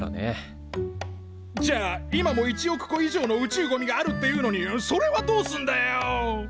じゃあ今も１億個以上の宇宙ゴミがあるっていうのにそれはどうすんだよ！